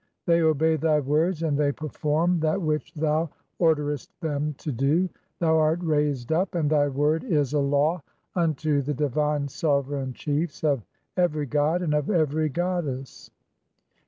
They obey thy words and they perform that which thou "orderest them [to do] ; thou art raised up, and thy word is a "law unto the divine sovereign chiefs of every god, and of every "goddess."